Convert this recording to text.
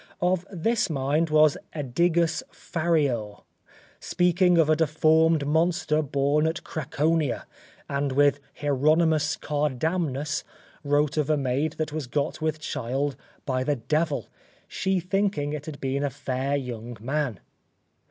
Of this mind was Adigus Fariur, speaking of a deformed monster born at Craconia; and Hieronimus Cardamnus wrote of a maid that was got with child by the devil, she thinking it had been a fair young man.